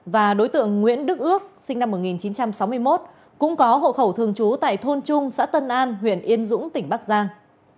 và đối tượng nguyễn đức ước sinh năm một nghìn chín trăm sáu mươi một cũng có hộ khẩu thường trú tại thôn trung xã tân an huyện yên dũng tỉnh bắc giang